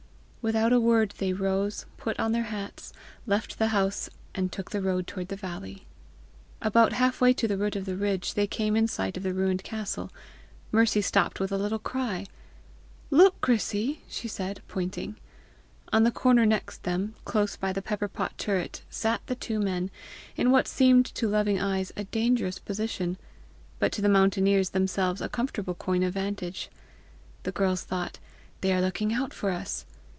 Without a word they rose, put on their hats, left the house, and took the road toward the valley. About half way to the root of the ridge, they came in sight of the ruined castle; Mercy stopped with a little cry. "Look! Chrissy!" she said, pointing. On the corner next them, close by the pepper pot turret, sat the two men, in what seemed to loving eyes a dangerous position, but to the mountaineers themselves a comfortable coin of vantage. The girls thought, "They are looking out for us!"